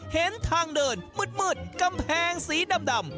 เห็นทางเดินมืดกำแพงสีดำ